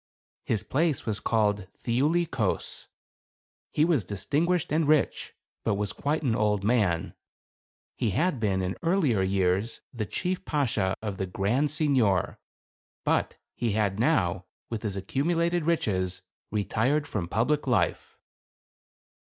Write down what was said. His place was called Thiuli Kos. He was distinguished and rich, but was quite an old man; he had been, in earlier years, the chief Bashaw of the grand signor, but he had now, with his accumulated riches, retired from public life.